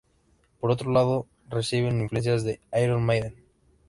Por otro lado, reciben influencias de Iron Maiden.